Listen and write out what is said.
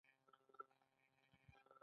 دوی ټول د سرف یا رعیت په نامه یاد شول.